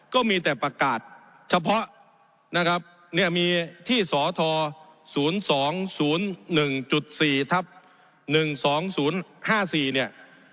ก็มีแต่ประกาศเฉพาะนะครับเนี่ยมีที่สท๐๒๐๑๔ทับ๑๒๐๕๔เนี่ย